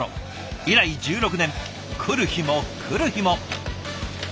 以来１６年来る日も来る日も。